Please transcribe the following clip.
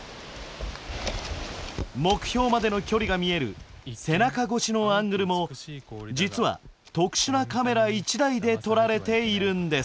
目標までの距離が見える背中越しのアングルも実は特殊なカメラ１台で撮られているんです。